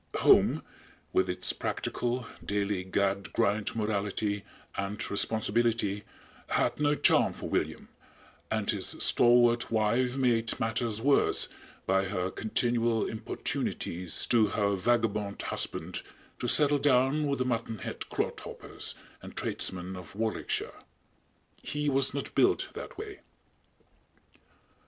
Home, with its practical, daily gad grind morality and responsibility, had no charm for William, and his stalwart wife made matters worse by her continual importunities to her vagabond husband to settle down with the muttonhead clodhoppers and tradesmen of Warwickshire. He was not built that way!